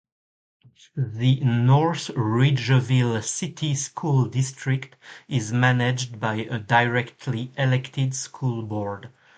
The North Ridgeville City School District is managed by a directly-elected school board.